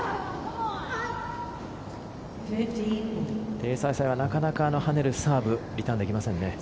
テイ・サイサイはなかなか、跳ねるサーブリターンできませんね。